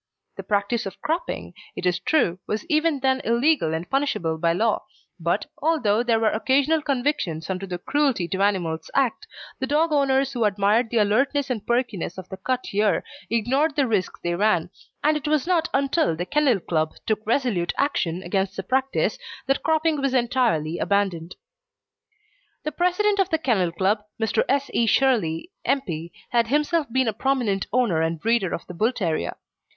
The practice of cropping, it is true, was even then illegal and punishable by law, but, although there were occasional convictions under the Cruelty to Animals Act, the dog owners who admired the alertness and perkiness of the cut ear ignored the risk they ran, and it was not until the Kennel Club took resolute action against the practice that cropping was entirely abandoned. The president of the Kennel Club, Mr. S. E. Shirley, M. P., had himself been a prominent owner and breeder of the Bull terrier.